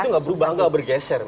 itu tidak berubah tidak bergeser